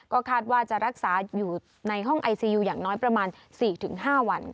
ก็คาดว่าจะรักษาอยู่ในห้องไอซียูอย่างน้อยประมาณ๔๕วัน